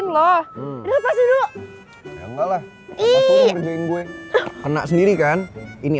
tapi tetep aja dia ngacangin gue